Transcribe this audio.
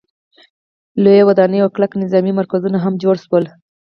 لویې ودانۍ او کلک نظامي مرکزونه هم جوړ شول.